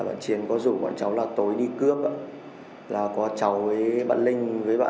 bạn chiến với bạn hoàng anh thì mặc hai áo khoác xong có mũ